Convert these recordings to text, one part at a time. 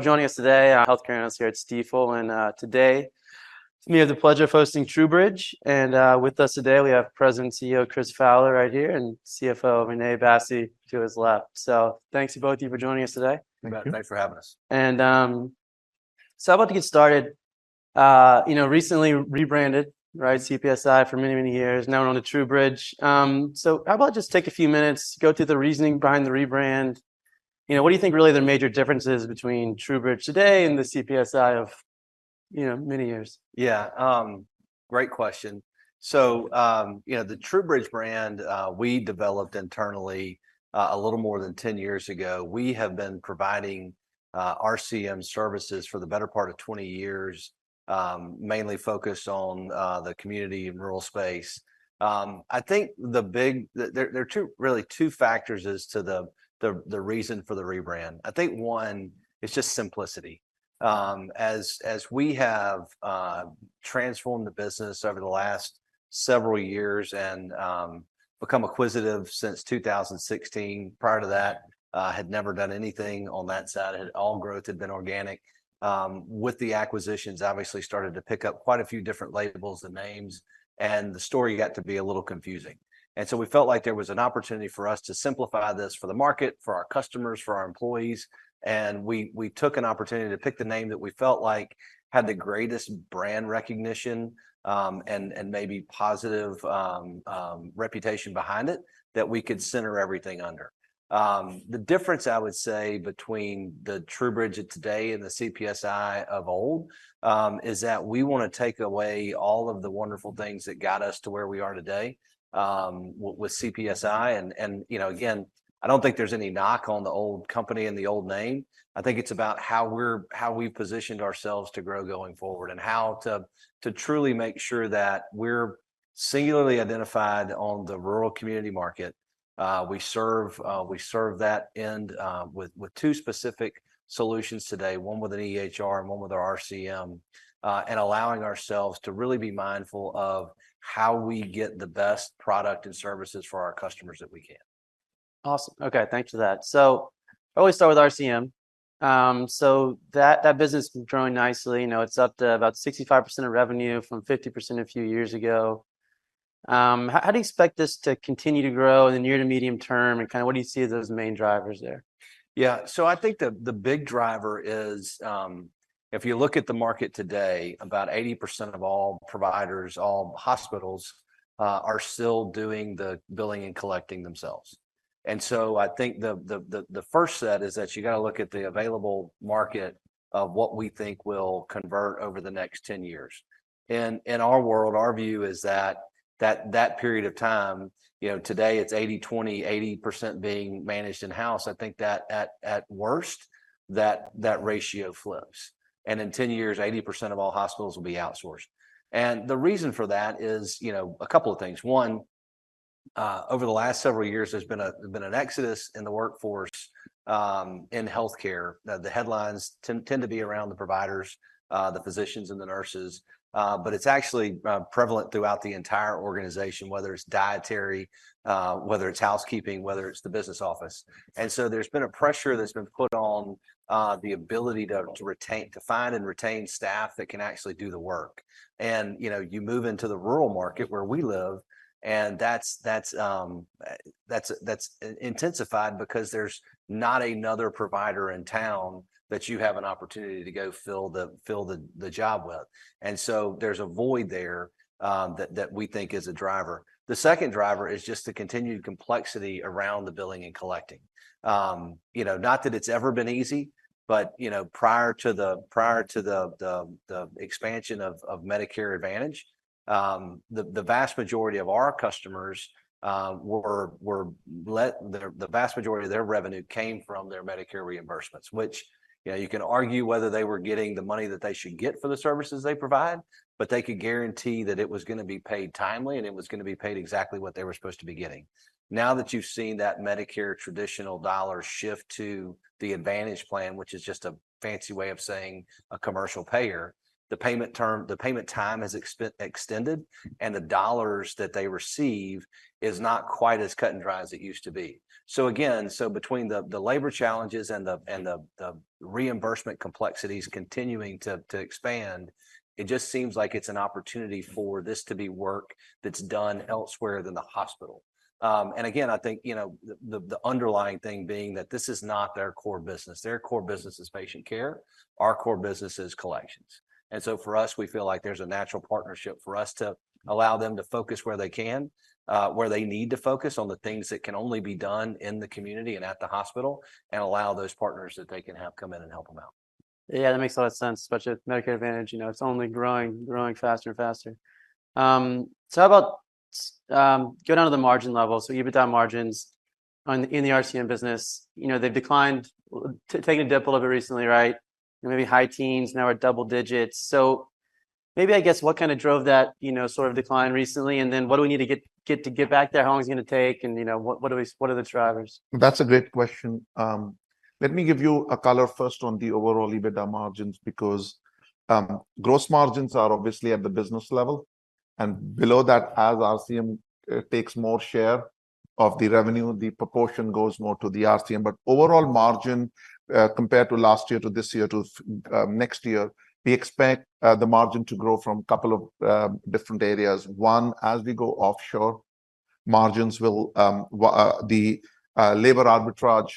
Joining us today, our healthcare analysts here at Stifel, and today, we have the pleasure of hosting TruBridge. With us today, we have President and CEO Chris Fowler right here, and CFO Vinay Bassi to his left. Thanks to both of you for joining us today. You bet. Thanks for having us. I'd like to get started. You know, recently rebranded, right? CPSI for many, many years, now known as TruBridge. How about just take a few minutes, go through the reasoning behind the rebrand. You know, what do you think really are the major differences between TruBridge today and the CPSI of, you know, many years? Yeah, great question. So, you know, the TruBridge brand, we developed internally, a little more than 10 years ago. We have been providing RCM services for the better part of 20 years, mainly focused on the community and rural space. I think there are two, really, two factors as to the reason for the rebrand. I think one is just simplicity. As we have transformed the business over the last several years and become acquisitive since 2016. Prior to that, had never done anything on that side. All growth had been organic. With the acquisitions, obviously started to pick up quite a few different labels and names, and the story got to be a little confusing. And so we felt like there was an opportunity for us to simplify this for the market, for our customers, for our employees, and we took an opportunity to pick the name that we felt like had the greatest brand recognition, and maybe positive reputation behind it, that we could center everything under. The difference, I would say, between the TruBridge of today and the CPSI of old, is that we want to take away all of the wonderful things that got us to where we are today, with CPSI. And you know, again, I don't think there's any knock on the old company and the old name. I think it's about how we've positioned ourselves to grow going forward, and how to truly make sure that we're singularly identified on the rural community market. We serve that end with two specific solutions today, one with an EHR and one with our RCM, and allowing ourselves to really be mindful of how we get the best product and services for our customers that we can. Awesome. Okay, thanks for that. So why don't we start with RCM? So that business has been growing nicely. You know, it's up to about 65% of revenue from 50% a few years ago. How do you expect this to continue to grow in the near to medium term, and kinda what do you see as those main drivers there? Yeah. So I think the big driver is, if you look at the market today, about 80% of all providers, all hospitals, are still doing the billing and collecting themselves. And so I think the first set is that you gotta look at the available market of what we think will convert over the next 10 years. And in our world, our view is that that period of time, you know, today it's 80/20, 80% being managed in-house, I think that at worst, that ratio flips, and in 10 years, 80% of all hospitals will be outsourced. And the reason for that is, you know, a couple of things. One, over the last several years, there's been an exodus in the workforce, in healthcare. Now, the headlines tend to be around the providers, the physicians and the nurses, but it's actually prevalent throughout the entire organization, whether it's dietary, whether it's housekeeping, whether it's the business office. And so there's been a pressure that's been put on the ability to find and retain staff that can actually do the work. And, you know, you move into the rural market, where we live, and that's intensified because there's not another provider in town that you have an opportunity to go fill the job with. And so there's a void there that we think is a driver. The second driver is just the continued complexity around the billing and collecting. You know, not that it's ever been easy but, you know, prior to the expansion of Medicare Advantage, the vast majority of our customers. The vast majority of their revenue came from their Medicare reimbursements, which, you know, you can argue whether they were getting the money that they should get for the services they provide, but they could guarantee that it was gonna be paid timely, and it was gonna be paid exactly what they were supposed to be getting. Now that you've seen that Medicare traditional dollar shift to the Advantage plan, which is just a fancy way of saying a commercial payer, the payment time has extended, and the dollars that they receive is not quite as cut and dried as it used to be. So again, between the labor challenges and the reimbursement complexities continuing to expand, it just seems like it's an opportunity for this to be work that's done elsewhere than the hospital. And again, I think, you know, the underlying thing being that this is not their core business. Their core business is patient care. Our core business is collections. And so for us, we feel like there's a natural partnership for us to allow them to focus where they can, where they need to focus on the things that can only be done in the community and at the hospital, and allow those partners that they can have come in and help them out. Yeah, that makes a lot of sense, especially with Medicare Advantage. You know, it's only growing, growing faster and faster. So how about going down to the margin level, so EBITDA margins in the RCM business. You know, they've declined, taken a dip a little bit recently, right? Maybe high teens, now we're double digits. So maybe, I guess, what kind of drove that, you know, sort of decline recently, and then what do we need to get to get back there? How long it's gonna take, and, you know, what, what do we... What are the drivers? That's a great question. Let me give you a color first on the overall EBITDA margins, because gross margins are obviously at the business level, and below that, as RCM takes more share of the revenue, the proportion goes more to the RCM. But overall margin, compared to last year to this year to next year, we expect the margin to grow from a couple of different areas. One, as we go offshore, margins will the labor arbitrage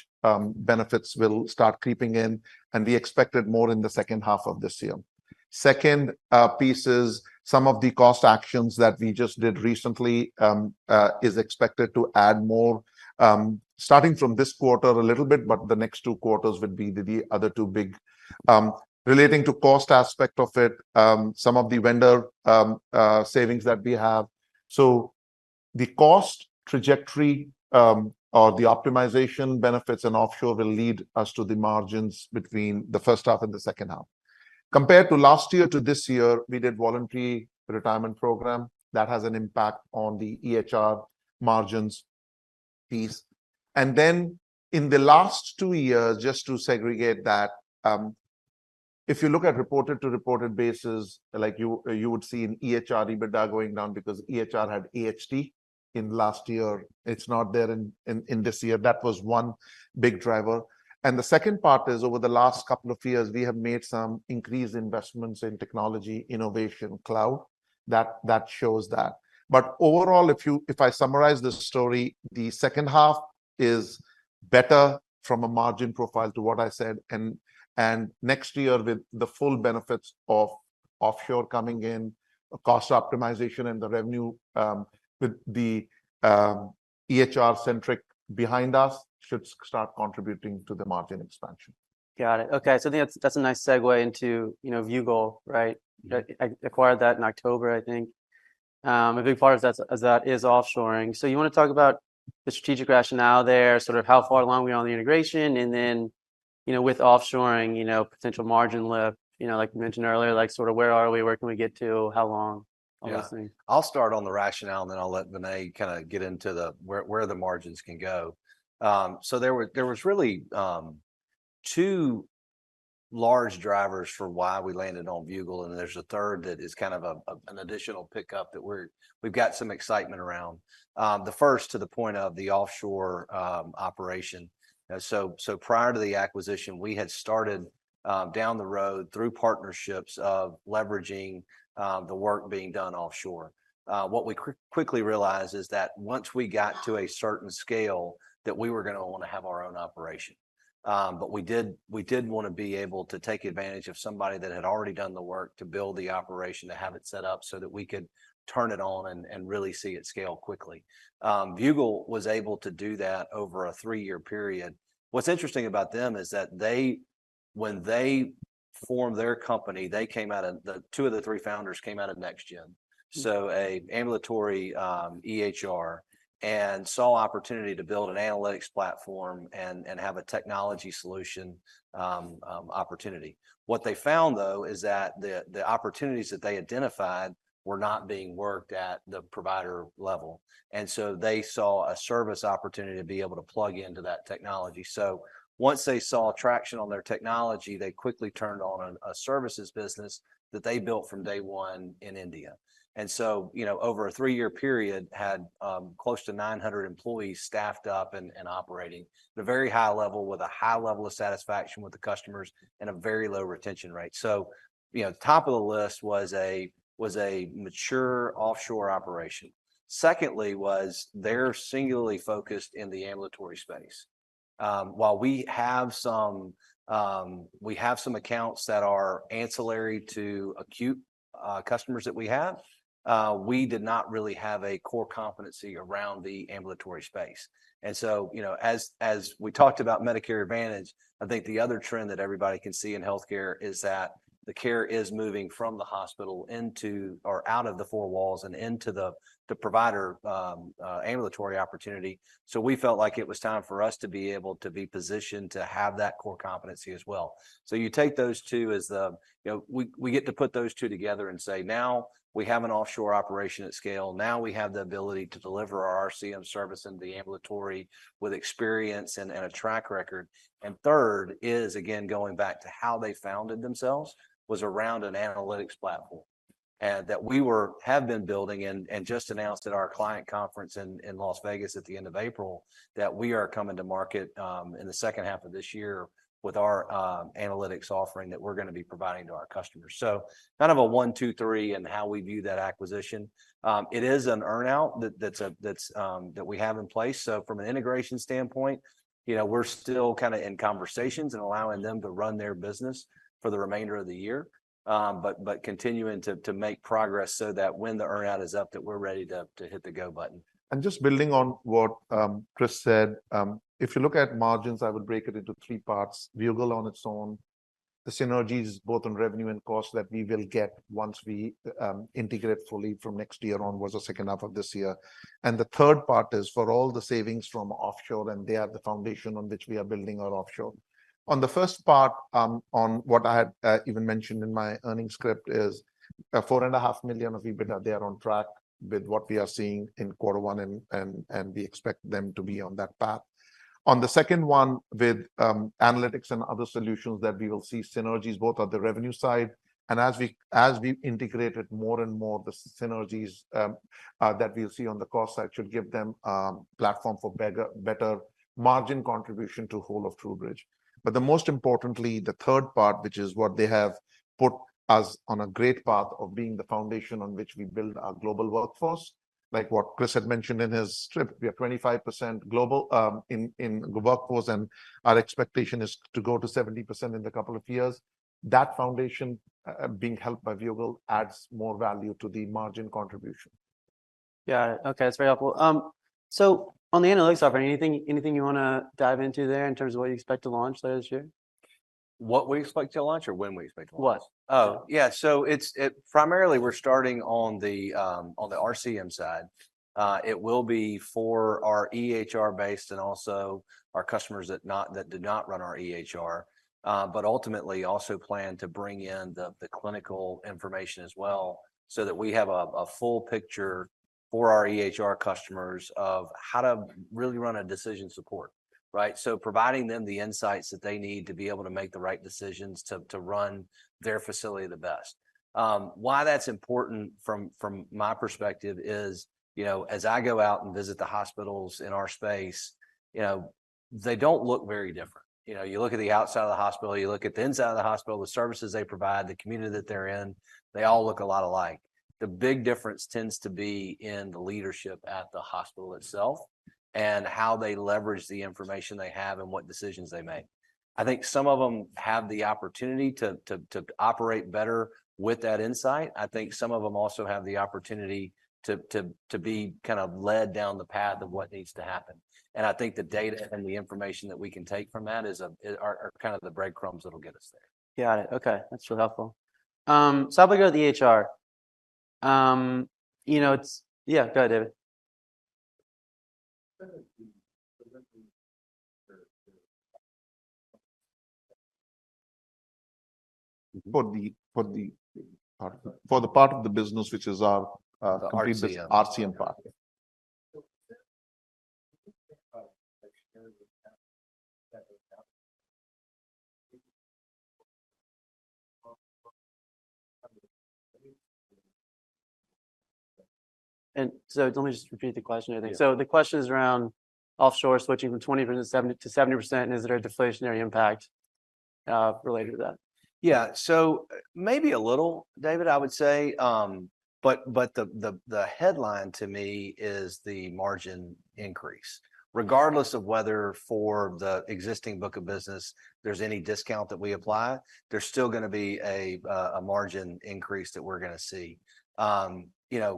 benefits will start creeping in, and we expect it more in the second half of this year. Second, piece is some of the cost actions that we just did recently is expected to add more, starting from this quarter a little bit, but the next two quarters would be the other two big. Relating to cost aspect of it, some of the vendor savings that we have. So the cost trajectory, or the optimization benefits in offshore will lead us to the margins between the first half and the second half. Compared to last year to this year, we did voluntary retirement program. That has an impact on the EHR margins piece. And then in the last two years, just to segregate that, if you look at reported-to-reported basis, like you would see an EHR EBITDA going down because EHR had AHT in last year. It's not there in this year. That was one big driver. And the second part is, over the last couple of years, we have made some increased investments in technology, innovation, cloud, that shows that. But overall, if I summarize this story, the second half is better from a margin profile to what I said, and next year, with the full benefits of offshore coming in, cost optimization and the revenue, with the EHR Centriq behind us, should start contributing to the margin expansion. Got it. Okay, so I think that's, that's a nice segue into, you know, Viewgol, right? Mm-hmm. Acquired that in October, I think. A big part of that, of that is offshoring. So you wanna talk about the strategic rationale there, sort of how far along we are on the integration, and then, you know, with offshoring, you know, potential margin lift. You know, like you mentioned earlier, like, sort of where are we? Where can we get to? How long, all those things? Yeah. I'll start on the rationale, and then I'll let Vinay kinda get into the where, where the margins can go. So there was really two large drivers for why we landed on Viewgol, and there's a third that is kind of a, an additional pickup that we're... we've got some excitement around. The first, to the point of the offshore operation. So prior to the acquisition, we had started down the road, through partnerships, of leveraging the work being done offshore. What we quickly realized is that once we got to a certain scale, that we were gonna wanna have our own operation. But we did wanna be able to take advantage of somebody that had already done the work to build the operation, to have it set up so that we could turn it on and really see it scale quickly. Viewgol was able to do that over a three-year period. What's interesting about them is that when they formed their company, two of the three founders came out of NextGen. Mm-hmm. So an ambulatory EHR, and saw opportunity to build an analytics platform and have a technology solution, opportunity. What they found, though, is that the opportunities that they identified were not being worked at the provider level, and so they saw a service opportunity to be able to plug into that technology. So once they saw traction on their technology, they quickly turned on a services business that they built from day one in India, and so, you know, over a three-year period, had close to 900 employees staffed up and operating at a very high level with a high level of satisfaction with the customers and a very low retention rate. So, you know, top of the list was a mature offshore operation. Secondly was, they're singularly focused in the ambulatory space. While we have some, we have some accounts that are ancillary to acute customers that we have, we did not really have a core competency around the ambulatory space. And so, you know, as we talked about Medicare Advantage, I think the other trend that everybody can see in healthcare is that the care is moving from the hospital into... or out of the four walls and into the provider ambulatory opportunity. So we felt like it was time for us to be able to be positioned to have that core competency as well. So you take those two as the, you know, we get to put those two together and say, "Now we have an offshore operation at scale. Now we have the ability to deliver our RCM service in the ambulatory with experience and a track record." Third is, again, going back to how they founded themselves, was around an analytics platform that we have been building and just announced at our client conference in Las Vegas at the end of April, that we are coming to market in the second half of this year with our analytics offering that we're gonna be providing to our customers. So kind of a one, two, three in how we view that acquisition. It is an earn-out that we have in place. So from an integration standpoint, you know, we're still kinda in conversations and allowing them to run their business for the remainder of the year. But continuing to make progress so that when the earn-out is up, that we're ready to hit the go button. Just building on what Chris said, if you look at margins, I would break it into three parts: Viewgol on its own, the synergies both on revenue and costs that we will get once we integrate fully from next year on, or the second half of this year, and the third part is for all the savings from offshore, and they are the foundation on which we are building our offshore. On the first part, on what I had even mentioned in my earnings script, is $4.5 million of EBITDA, they are on track with what we are seeing in quarter one, and we expect them to be on that path. On the second one, with analytics and other solutions, that we will see synergies both on the revenue side and as we integrated more and more the synergies that we'll see on the cost side should give them platform for better margin contribution to whole of TruBridge. But the most importantly, the third part, which is what they have put us on a great path of being the foundation on which we build our global workforce. Like what Chris had mentioned in his script, we are 25% global in the workforce, and our expectation is to go to 70% in the couple of years. That foundation being helped by Viewgol adds more value to the margin contribution. Got it. Okay, that's very helpful. On the analytics side, anything, anything you wanna dive into there in terms of what you expect to launch this year? What we expect to launch or when we expect to launch? What? Oh, yeah. So it's primarily, we're starting on the RCM side. It will be for our EHR-based and also our customers that do not run our EHR, but ultimately also plan to bring in the clinical information as well, so that we have a full picture for our EHR customers of how to really run a decision support, right? So providing them the insights that they need to be able to make the right decisions to run their facility the best. Why that's important from my perspective is, you know, as I go out and visit the hospitals in our space, you know, they don't look very different. You know, you look at the outside of the hospital, you look at the inside of the hospital, the services they provide, the community that they're in, they all look a lot alike. The big difference tends to be in the leadership at the hospital itself and how they leverage the information they have and what decisions they make. I think some of them have the opportunity to operate better with that insight. I think some of them also have the opportunity to be kind of led down the path of what needs to happen. And I think the data and the information that we can take from that are kind of the breadcrumbs that'll get us there. Got it. Okay, that's really helpful. So how about the EHR? You know, it's... Yeah, go ahead, David. For the part of the business, which is our, The RCM... RCM part, yeah. Let me just repeat the question, I think. Yeah. The question is around offshore, switching from 20% -70%, to 70%, and is there a deflationary impact related to that? Yeah. So maybe a little, David, I would say, but the headline to me is the margin increase. Regardless of whether for the existing book of business there's any discount that we apply, there's still gonna be a margin increase that we're gonna see. You know,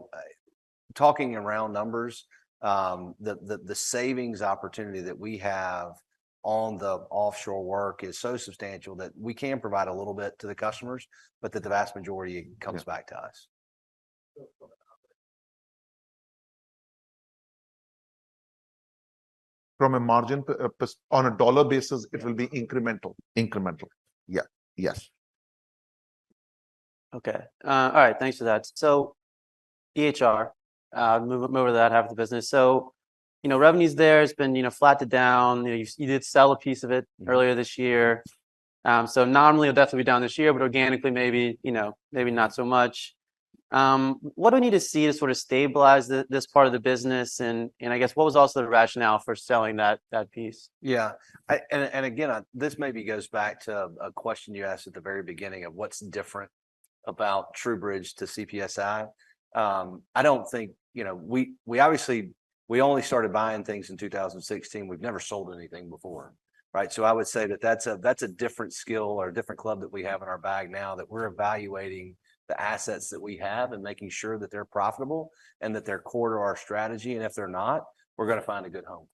talking in round numbers, the savings opportunity that we have on the offshore work is so substantial that we can provide a little bit to the customers, but that the vast majority- Yeah... comes back to us. From a margin per person on a dollar basis, it will be incremental. Incremental. Yeah. Yes. Okay. All right, thanks for that. So EHR, move to that half of the business. So, you know, revenue's there, it's been, you know, flat to down. You know, you did sell a piece of it- Yeah... earlier this year. So not only will that be down this year, but organically, maybe, you know, maybe not so much. What do we need to see to sort of stabilize this part of the business? And I guess, what was also the rationale for selling that piece? Yeah. And again, this maybe goes back to a question you asked at the very beginning of: What's different about TruBridge to CPSI? I don't think, you know, we obviously only started buying things in 2016. We've never sold anything before, right? So I would say that that's a different skill or a different club that we have in our bag now, that we're evaluating the assets that we have and making sure that they're profitable and that they're core to our strategy, and if they're not, we're gonna find a good home.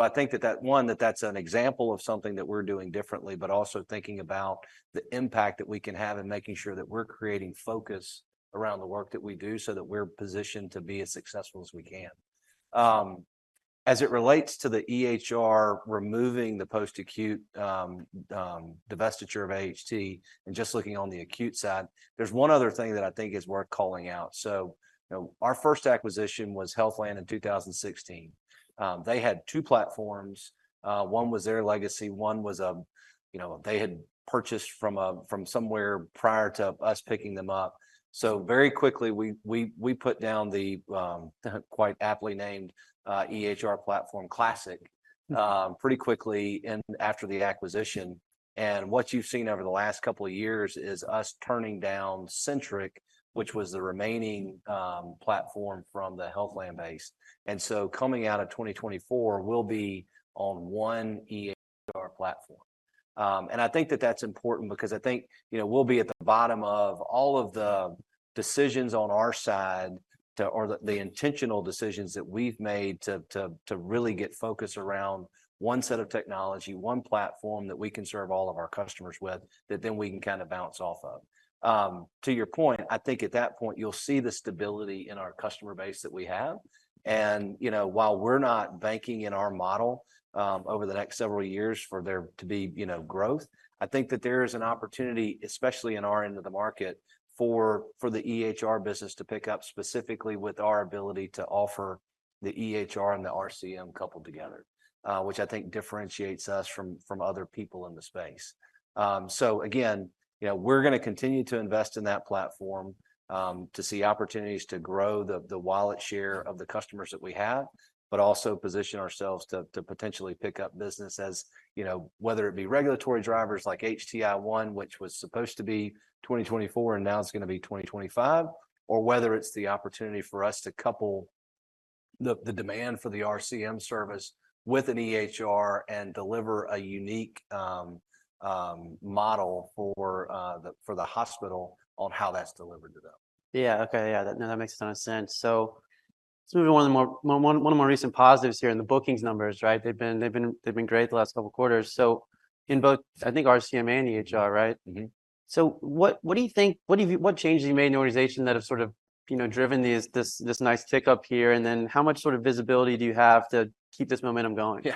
I think that's an example of something that we're doing differently, but also thinking about the impact that we can have in making sure that we're creating focus around the work that we do, so that we're positioned to be as successful as we can. As it relates to the EHR, removing the post-acute, divestiture of AHT and just looking on the acute side, there's one other thing that I think is worth calling out. You know, our first acquisition was Healthland in 2016. They had two platforms. One was their legacy, one was, you know, they had purchased from somewhere prior to us picking them up. So very quickly, we put down the quite aptly named EHR platform Classic, pretty quickly right after the acquisition. What you've seen over the last couple of years is us turning down Centriq, which was the remaining platform from the Healthland base. So coming out of 2024, we'll be on one EHR platform. And I think that that's important because I think, you know, we'll be at the bottom of all of the decisions on our side or the intentional decisions that we've made to really get focused around one set of technology, one platform that we can serve all of our customers with, that then we can kind of bounce off of. To your point, I think at that point, you'll see the stability in our customer base that we have. You know, while we're not banking in our model over the next several years for there to be, you know, growth, I think that there is an opportunity, especially in our end of the market, for the EHR business to pick up, specifically with our ability to offer the EHR and the RCM coupled together, which I think differentiates us from other people in the space. So again, you know, we're gonna continue to invest in that platform to see opportunities to grow the wallet share of the customers that we have, but also position ourselves to potentially pick up business as, you know, whether it be regulatory drivers like HTI-1, which was supposed to be 2024, and now it's gonna be 2025, or whether it's the opportunity for us to couple the demand for the RCM service with an EHR and deliver a unique model for the hospital on how that's delivered to them. Yeah. Okay. Yeah, that... No, that makes a ton of sense. So let's move to one of the more recent positives here in the bookings numbers, right? They've been great the last couple of quarters, so in both, I think RCM and EHR, right? Mm-hmm. So what changes have you made in the organization that have sort of, you know, driven this nice tick up here? And then how much sort of visibility do you have to keep this momentum going? Yeah.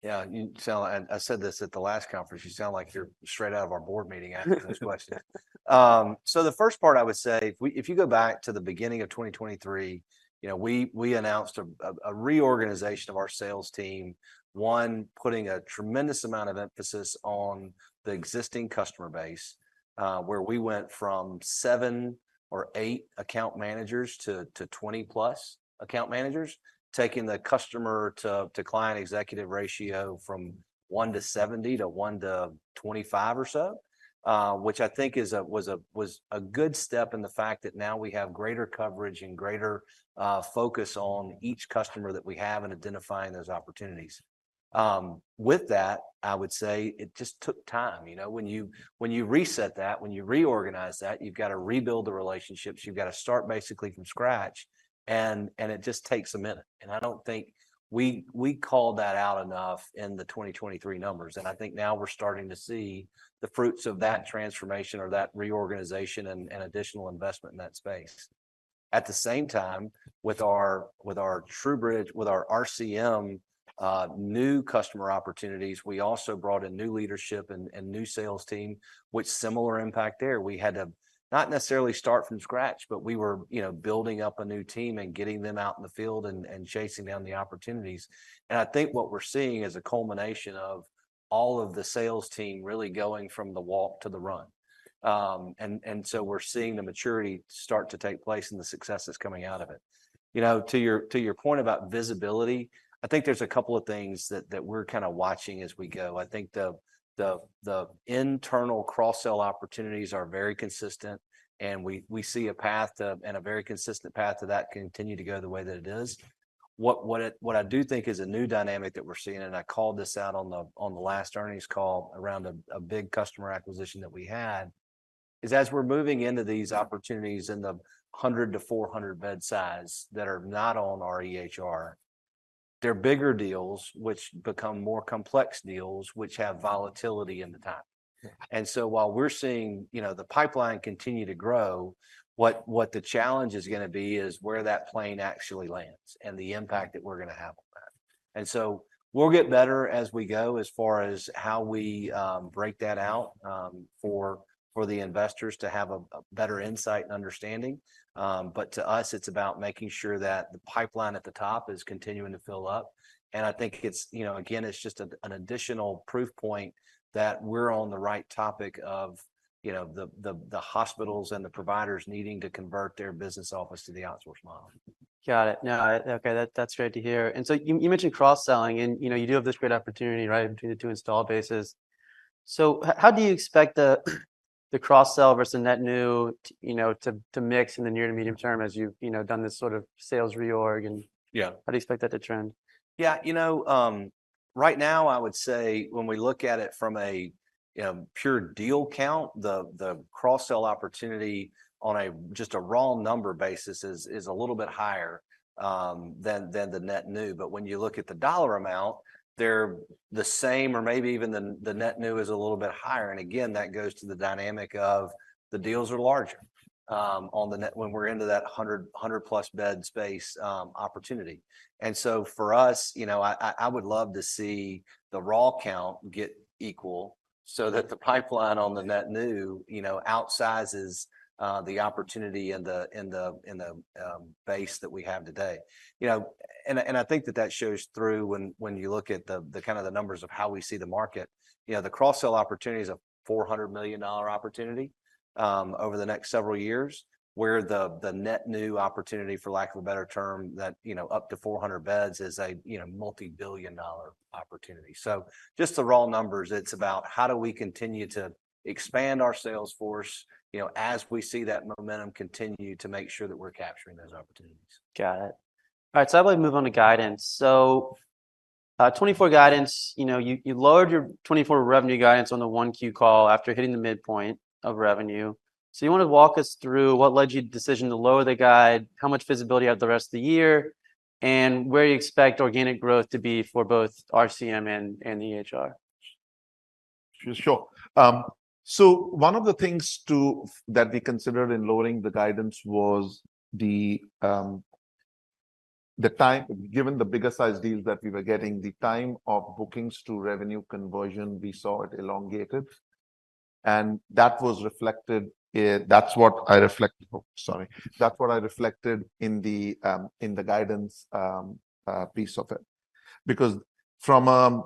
Yeah, you sound like... I said this at the last conference. You sound like you're straight out of our board meeting asking these questions. So the first part, I would say, if you go back to the beginning of 2023, you know, we announced a reorganization of our sales team. One, putting a tremendous amount of emphasis on the existing customer base, where we went from seven or eight account managers to 20+ account managers, taking the customer-to-client executive ratio from one to 70 to one to 25 or so. Which I think was a good step in the fact that now we have greater coverage and greater focus on each customer that we have and identifying those opportunities. With that, I would say it just took time. You know, when you reset that, when you reorganize that, you've got to rebuild the relationships. You've got to start basically from scratch, and it just takes a minute. I don't think we called that out enough in the 2023 numbers, and I think now we're starting to see the fruits of that transformation or that reorganization and additional investment in that space. At the same time, with our TruBridge, with our RCM, new customer opportunities, we also brought in new leadership and new sales team, with similar impact there. We had to not necessarily start from scratch, but we were, you know, building up a new team and getting them out in the field and chasing down the opportunities. I think what we're seeing is a culmination of all of the sales team really going from the walk to the run. And so we're seeing the maturity start to take place and the successes coming out of it. You know, to your, to your point about visibility, I think there's a couple of things that we're kind of watching as we go. I think the internal cross-sell opportunities are very consistent, and we see a path to, and a very consistent path to that continue to go the way that it is. What I do think is a new dynamic that we're seeing, and I called this out on the last earnings call around a big customer acquisition that we had, is as we're moving into these opportunities in the 100 bed-400 bed size that are not on our EHR, they're bigger deals which become more complex deals, which have volatility in the top. Yeah. And so while we're seeing, you know, the pipeline continue to grow, what the challenge is gonna be is where that plane actually lands and the impact that we're gonna have on that. And so we'll get better as we go as far as how we break that out for the investors to have a better insight and understanding. But to us, it's about making sure that the pipeline at the top is continuing to fill up. And I think it's, you know, again, it's just an additional proof point that we're on the right topic of, you know, the hospitals and the providers needing to convert their business office to the outsource model. Got it. No, okay, that, that's great to hear. And so you mentioned cross-selling, and you know, you do have this great opportunity, right, between the two install bases. So how do you expect the cross-sell versus net new, you know, to mix in the near to medium term as you've, you know, done this sort of sales reorg and- Yeah... how do you expect that to trend? Yeah, you know, right now, I would say when we look at it from a, you know, pure deal count, the, the cross-sell opportunity on a just a raw number basis is, is a little bit higher than the net new. But when you look at the dollar amount, they're the same or maybe even the net new is a little bit higher. And again, that goes to the dynamic of the deals are larger on the net when we're into that 100, 100+ bed space opportunity. And so for us, you know, I would love to see the raw count get equal so that the pipeline on the net new, you know, outsizes the opportunity in the base that we have today. You know, I think that shows through when you look at the kind of numbers of how we see the market. You know, the cross-sell opportunity is a $400 million opportunity over the next several years, where the net new opportunity, for lack of a better term, that, you know, up to 400 beds is a, you know, multibillion-dollar opportunity. So just the raw numbers, it's about how do we continue to expand our sales force, you know, as we see that momentum continue, to make sure that we're capturing those opportunities. Got it. All right, so I'd like to move on to guidance. So, 2024 guidance, you know, you, you lowered your 2024 revenue guidance on the 1Q call after hitting the midpoint of revenue. So you want to walk us through what led your decision to lower the guide, how much visibility you have the rest of the year, and where you expect organic growth to be for both RCM and, and EHR? Sure. So one of the things, too, that we considered in lowering the guidance was the time. Given the bigger-sized deals that we were getting, the time of bookings to revenue conversion, we saw it elongated. And that was reflected in. That's what I reflected. Oh, sorry. That's what I reflected in the guidance piece of it. Because from a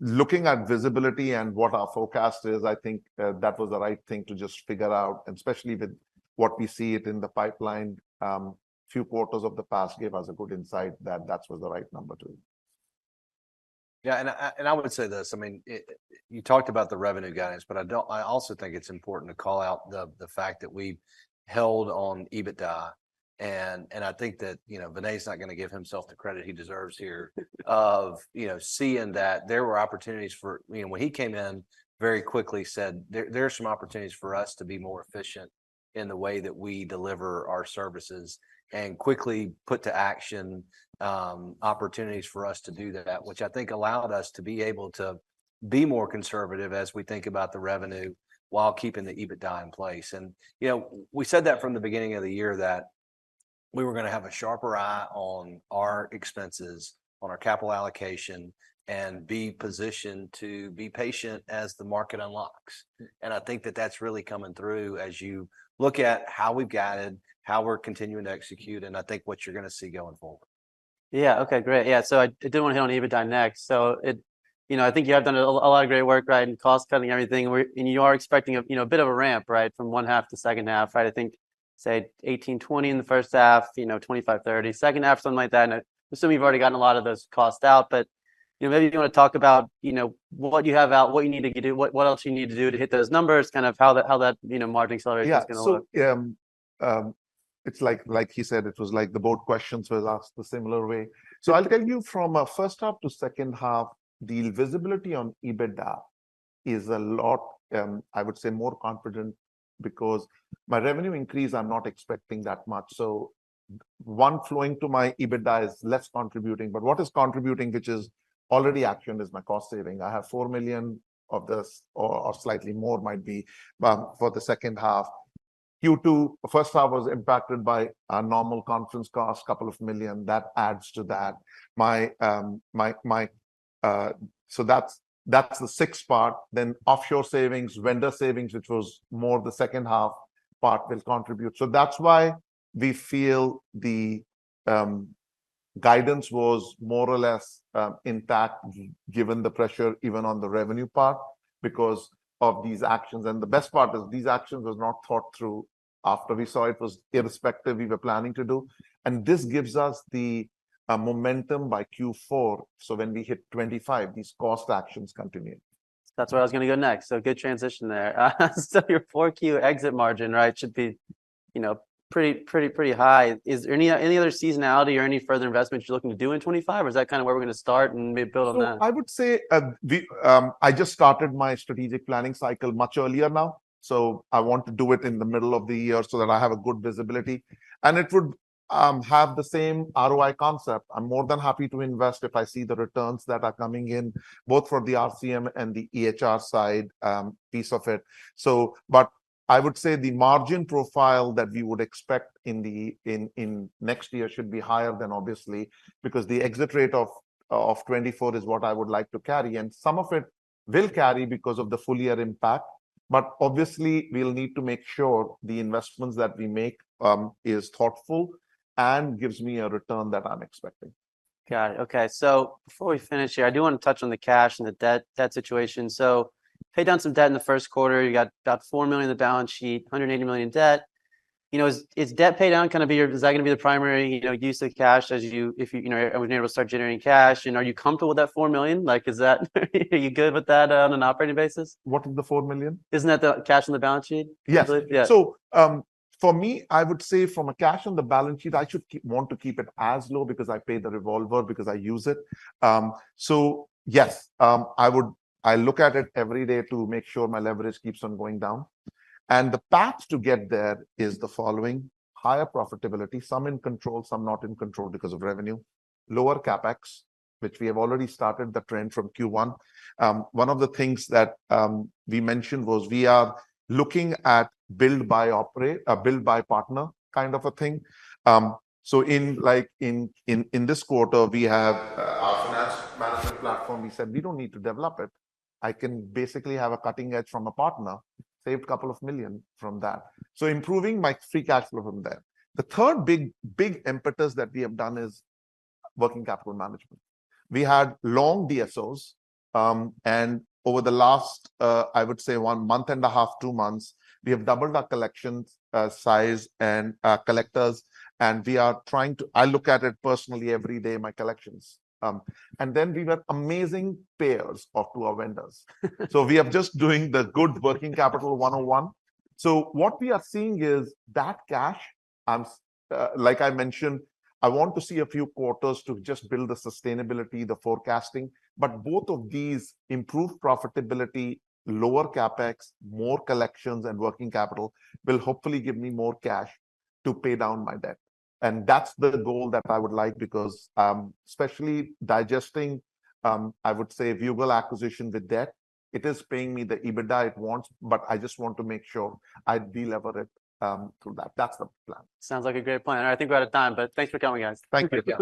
looking at visibility and what our forecast is, I think that was the right thing to just figure out, and especially with what we see it in the pipeline, two quarters of the past gave us a good insight that that was the right number to. Yeah, and I, and I would say this. I mean, it, you talked about the revenue guidance, but I don't. I also think it's important to call out the fact that we held on EBITDA. And I think that, you know, Vinay is not gonna give himself the credit he deserves here of, you know, seeing that there were opportunities for... You know, when he came in, very quickly said, "There are some opportunities for us to be more efficient in the way that we deliver our services," and quickly put to action opportunities for us to do that. Which I think allowed us to be able to be more conservative as we think about the revenue, while keeping the EBITDA in place. You know, we said that from the beginning of the year, that we were gonna have a sharper eye on our expenses, on our capital allocation, and be positioned to be patient as the market unlocks. I think that that's really coming through as you look at how we've guided, how we're continuing to execute, and I think what you're gonna see going forward. Yeah. Okay, great. Yeah, so I did wanna hit on EBITDA next. So it... You know, I think you have done a lot of great work, right, in cost-cutting, everything. And you are expecting a, you know, a bit of a ramp, right, from first half to second half, right? I think, say, 18-20 in the first half, you know, 25-30 second half, something like that. And I assume you've already gotten a lot of those costs out, but, you know, maybe you wanna talk about, you know, what you have out, what you need to do, what else you need to do to hit those numbers, kind of how that, you know, margin acceleration is gonna look. Yeah. So, it's like, like he said, it was like the board questions was asked the similar way. So I'll tell you from a first half to second half, the visibility on EBITDA is a lot, I would say, more confident, because my revenue increase, I'm not expecting that much. So one flowing to my EBITDA is less contributing, but what is contributing, which is already action, is my cost saving. I have $4 million of this, or slightly more it might be, for the second half. Q2 first half was impacted by a normal conference cost, $2 million. That adds to that. So that's the sixth part. Then offshore savings, vendor savings, which was more the second half part, will contribute. So that's why we feel the guidance was more or less intact, given the pressure even on the revenue part, because of these actions. And the best part is, these actions was not thought through after we saw it, was irrespective we were planning to do. And this gives us the momentum by Q4, so when we hit 25, these cost actions continue. That's where I was gonna go next, so good transition there. So your 4Q exit margin, right, should be, you know, pretty, pretty, pretty high. Is there any other seasonality or any further investments you're looking to do in 25, or is that kind of where we're gonna start and maybe build on that? So I would say, I just started my strategic planning cycle much earlier now, so I want to do it in the middle of the year so that I have a good visibility. And it would have the same ROI concept. I'm more than happy to invest if I see the returns that are coming in, both from the RCM and the EHR side, piece of it. So but I would say the margin profile that we would expect in next year should be higher than obviously, because the exit rate of 2024 is what I would like to carry, and some of it will carry because of the full year impact. But obviously, we'll need to make sure the investments that we make is thoughtful and gives me a return that I'm expecting. Got it. Okay, so before we finish here, I do wanna touch on the cash and the debt situation. So paid down some debt in the first quarter. You got about $4 million on the balance sheet, $180 million in debt. You know, is debt paid down gonna be the primary, you know, use of cash as you... if you, you know, when you're able to start generating cash? And are you comfortable with that $4 million? Like, are you good with that on an operating basis? What is the $4 million? Isn't that the cash on the balance sheet? Yes. Yeah. So, for me, I would say from a cash on the balance sheet, I want to keep it as low because I paid the revolver because I use it. So yes, I look at it every day to make sure my leverage keeps on going down. And the path to get there is the following: higher profitability, some in control, some not in control because of revenue; lower CapEx, which we have already started the trend from Q1. One of the things that we mentioned was we are looking at build, buy, partner kind of a thing. So in, like, in this quarter, we have our finance management platform. We said, "We don't need to develop it. I can basically have a cutting edge from a partner." Saved $2 million from that. So improving my free cash flow from there. The third big, big impetus that we have done is working capital management. We had long DSOs, and over the last, I would say one month and a half, two months, we have doubled our collections, size and, collectors, and we are trying to— I look at it personally every day, my collections. And then we were amazing payers off to our vendors. So we are just doing the good working capital 101. So what we are seeing is that cash, like I mentioned, I want to see a few quarters to just build the sustainability, the forecasting. Both of these improve profitability, lower CapEx, more collections and working capital, will hopefully give me more cash to pay down my debt. That's the goal that I would like, because, especially digesting, I would say, Viewgol acquisition with debt, it is paying me the EBITDA it wants, but I just want to make sure I de-leverage through that. That's the plan. Sounds like a great plan, and I think we're out of time, but thanks for coming, guys. Thank you.